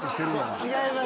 違います。